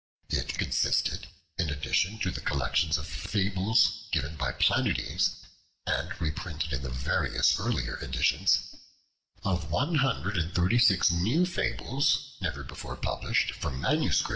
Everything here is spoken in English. It consisted, in addition to the collection of fables given by Planudes and reprinted in the various earlier editions, of one hundred and thirty six new fables (never before published) from MSS.